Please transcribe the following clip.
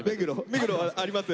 目黒はあります？